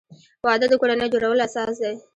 وادۀ د کورنۍ جوړولو اساس دی.